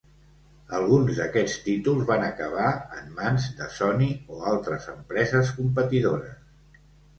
Alguns d'aquests títols van acabar en mans de Sony o altres empreses competidores.